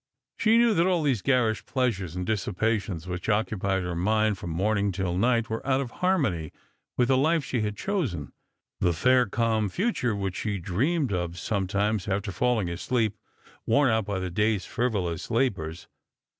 She knew that all these garish pleasures and dissipations which occupied her mind from morning till night were out of harmony with the life she had Strangers and Pilgrims. 175 chosen ; the fair calm future which she dreamed o\ »ometimes, after falling asleep worn out by the day's frivolous labours.